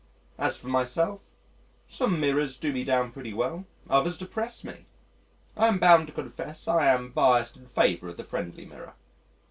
As for myself, some mirrors do me down pretty well, others depress me! I am bound to confess I am biassed in favour of the friendly mirror.